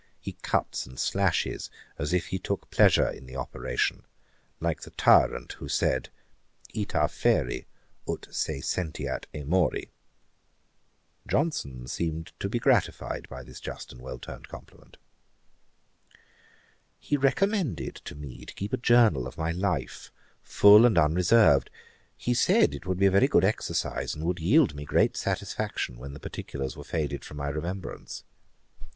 He cuts and slashes, as if he took pleasure in the operation, like the tyrant who said, Ita feri ut se sentiat emori.' [Page 433: Journal keeping. Ætat 54.] Johnson seemed to be much gratified by this just and well turned compliment. He recommended to me to keep a journal of my life, full and unreserved. He said it would be a very good exercise, and would yield me great satisfaction when the particulars were faded from my remembrance.